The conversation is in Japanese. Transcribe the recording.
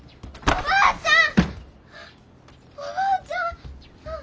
おばあちゃん。